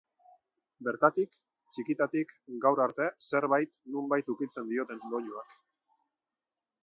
Bertatik, txikitatik gaur arte zerbait nonbait ukitzen dioten doinuak.